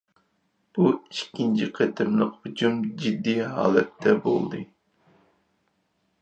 بۇ ئىككىنچى قېتىملىق ھۇجۇم جىددىي ھالەتتە بولدى.